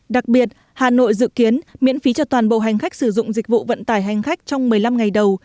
đặc biệt hà nội dự kiến miễn phí cho toàn bộ hành khách sử dụng dịch vụ vận tải hành khách trong một mươi năm ngày đầu